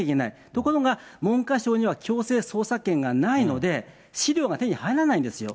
ところが、文科省には強制捜査権がないので、資料が手に入らないんですよ。